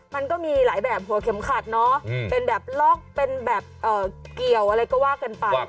มันก็มีหลายแบบหัวเข็มขัดเนาะเป็นแบบล็อกเป็นแบบเกี่ยวอะไรก็ว่ากันไป